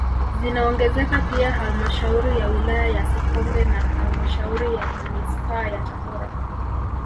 Zinaongezeka pia halmashauri ya wilaya ya Sikonge na halmashauri ya manispaa ya Tabora